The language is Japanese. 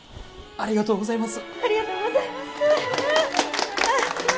おめでとうございます！